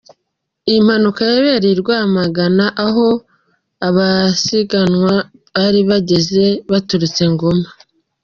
Iyi mpanuka yabereye i Rwamagana aho abasiganwa bari bageze baturutse i Ngoma.